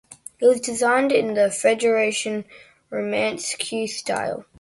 It was designed in the Federation Romanesque style.